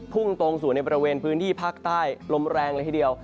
่งตรงสู่ในบริเวณพื้นที่ภาคใต้ลมแรงเลยทีเดียว